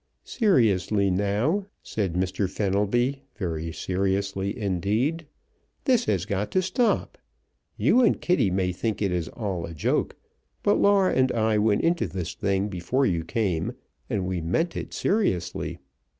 "Seriously, now," said Mr. Fenelby, very seriously indeed, "this has got to stop! You and Kitty may think it is all a joke, but Laura and I went into this thing before you came, and we meant it seriously.